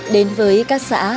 đến với các xã